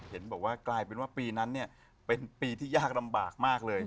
เห็นบอกว่ากลายเป็นว่าปีนั้นเนี่ยเป็นปีที่ยากลำบากมากเลย